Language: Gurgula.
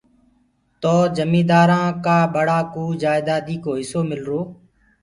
تو جميٚندآرانٚ ڪا ٻڙا ڪوُ جائيٚدادي هِسو مِلرو۔